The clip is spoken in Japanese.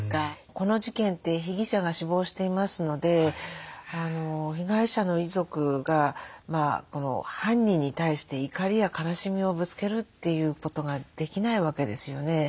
この事件って被疑者が死亡していますので被害者の遺族が犯人に対して怒りや悲しみをぶつけるということができないわけですよね。